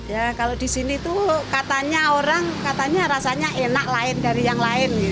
ya kalau di sini tuh katanya orang katanya rasanya enak lain dari yang lain